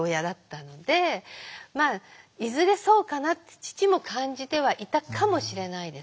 まあいずれそうかなって父も感じてはいたかもしれないです。